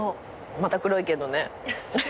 また黒いけどね。